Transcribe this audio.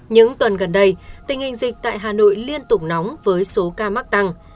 những tuần gần đây tình hình dịch tại hà nội liên tục nóng với số ca mắc tăng